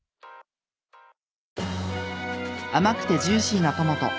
甘くてジューシーなトマト。